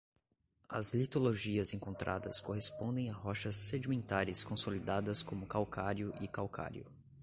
As litologias encontradas correspondem a rochas sedimentares consolidadas como calcário e calcário.